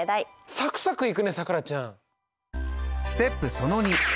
サクサクいくねさくらちゃん。